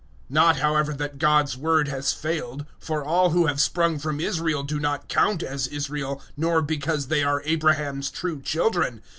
009:006 Not however that God's word has failed; for all who have sprung from Israel do not count as Israel, 009:007 nor because they are Abraham's true children.